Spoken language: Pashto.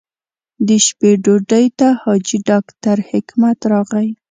د شپې ډوډۍ ته حاجي ډاکټر حکمت راغی.